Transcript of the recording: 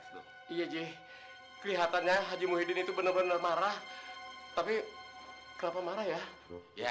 tuh iya ji kelihatannya haji muhyiddin itu bener bener marah tapi kenapa marah ya ya